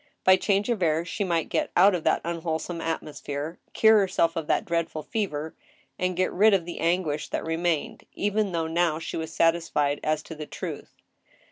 By change of air she might get out of that unwholesome atmosphere, cure herself of that dreadful fever, and get rid of the anguish that remained, even though now she was satisfied as to the truth.